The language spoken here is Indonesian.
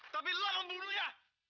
tapi lo pembunuhnya